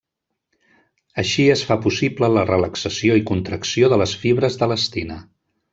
Així es fa possible la relaxació i contracció de les fibres d'elastina.